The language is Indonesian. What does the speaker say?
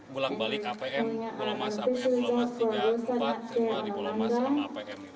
bolak balik apm pulau mas apm pulau mas tiga puluh empat semua di pulau mas sama apm